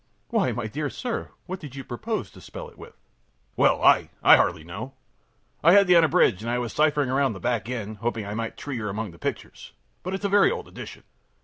ö ōWhy, my dear sir, what did you propose to spell it with?ö ōWell, I I hardly know. I had the Unabridged, and I was ciphering around in the back end, hoping I might tree her among the pictures. But it's a very old edition.